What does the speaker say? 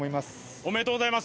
おめでとうございます。